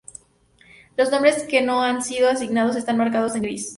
Los nombres que no han sido asignados están marcados en gris.